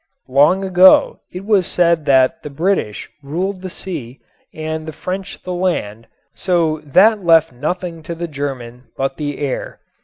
Long ago it was said that the British ruled the sea and the French the land so that left nothing to the German but the air.